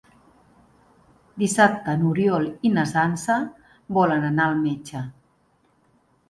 Dissabte n'Oriol i na Sança volen anar al metge.